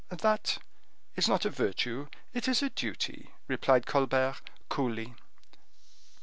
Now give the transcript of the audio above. "That is not a virtue, it is a duty," replied Colbert, coolly.